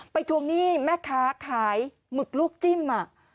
ทวงหนี้แม่ค้าขายหมึกลูกจิ้ม